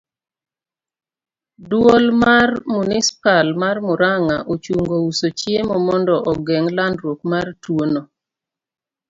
Duol mar Munispal mar Muranga ochungo uso chiemo mondo ogeng' landruok mar tuo no.